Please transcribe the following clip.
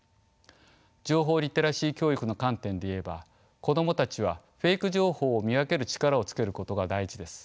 情報リテラシー教育の観点で言えば子供たちはフェイク情報を見分ける力をつけることが大事です。